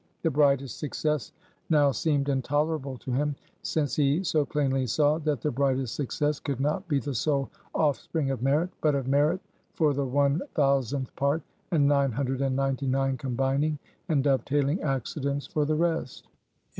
The brightest success, now seemed intolerable to him, since he so plainly saw, that the brightest success could not be the sole offspring of Merit; but of Merit for the one thousandth part, and nine hundred and ninety nine combining and dove tailing accidents for the rest.